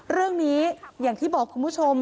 เรื่องนี้อย่างที่บอกคุณผู้ชม